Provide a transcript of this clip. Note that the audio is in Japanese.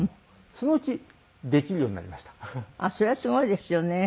それはすごいですよね。